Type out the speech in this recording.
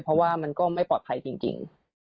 เพราะว่ามันก็ไม่ปลอดภัยจริง